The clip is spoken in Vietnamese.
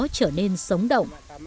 trở nên sống động